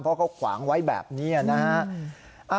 เพราะเขาขวางไว้แบบนี้นะฮะ